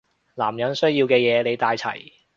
男人需要嘅嘢你帶齊